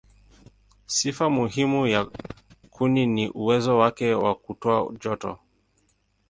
Sifa muhimu ya kuni ni uwezo wake wa kutoa joto.